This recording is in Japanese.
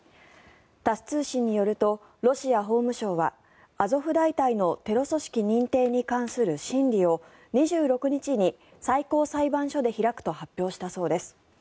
タス通信によるとロシア法務省はアゾフ大隊のテロ組織認定に関する審理を２６日に最高裁判所で開くと発表したそうです。